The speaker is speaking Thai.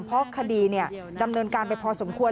เพราะคดีดำเนินการไปพอสมควร